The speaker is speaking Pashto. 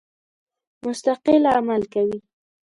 مستقل عمل کوي.